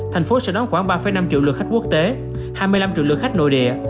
thành phố sẽ đón khoảng ba năm triệu lượt khách quốc tế hai mươi năm triệu lượt khách nội địa